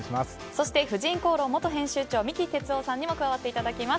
そして、「婦人公論」元編集長三木哲男さんにも加わっていただきます。